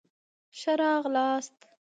ښه راغلاست